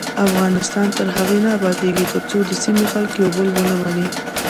افغانستان تر هغو نه ابادیږي، ترڅو د سیمې خلک یو بل ومني.